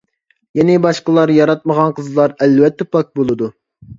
يەنى، باشقىلار ياراتمىغان قىزلار ئەلۋەتتە پاك بولىدۇ.